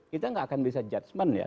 kita nggak akan bisa judgement ya